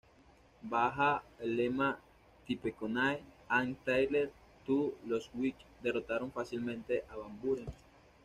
Bajo el lema ""Tippecanoe and Tyler, too"", los whigs derrotaron fácilmente a Van Buren.